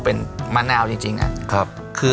โปรดติดตามต่อไป